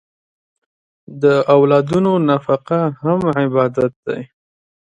د اولادونو نفقه هم عبادت دی.